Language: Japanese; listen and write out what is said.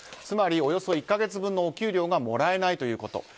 つまりおよそ１か月分のお給料がもらえないということ。